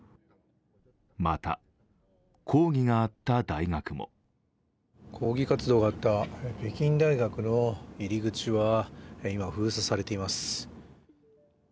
また、抗議があった大学も抗議活動があった北京大学の入り口は今は封鎖されています。